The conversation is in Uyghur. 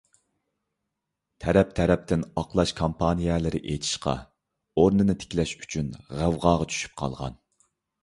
تەرەپ - تەرەپتىن ئاقلاش كامپانىيەلىرى ئېچىشقا، ئورنىنى تىكلەش ئۈچۈن غەۋغاغا چۈشۈپ قالغان.